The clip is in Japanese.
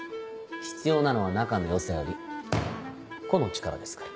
必要なのは仲の良さより個の力ですから。